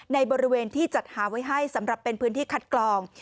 ในบริเวณที่จัดหาไว้ให้สำหรับเป็นพื้นที่คัดกรอง